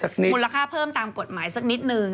คุณราคาเพิ่มตามกฎหมายสักนิดหนึ่ง